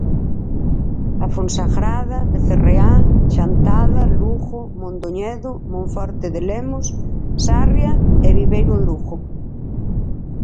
A Fonsagrada, Becerreá, Chantada, Lugo, Mondoñedo, Monforte de Lemos, Sarria e Viveiro en Lugo.